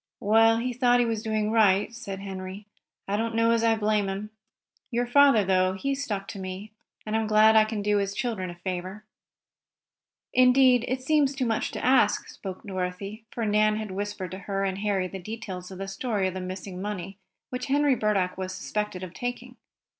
"Well, he thought he was doing right," said Henry. "I don't know as I blame him. Your father, though, he stuck to me, and I'm glad I can do his children a favor." "Indeed, it seems too much to ask," spoke Dorothy, for Nan had whispered to her and Harry the details of the story of the missing money which Henry Burdock was suspected of taking.